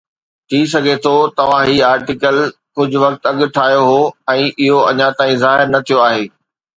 ٿي سگهي ٿو توهان هي آرٽيڪل ڪجهه وقت اڳ ٺاهيو هو ۽ اهو اڃا تائين ظاهر نه ٿيو آهي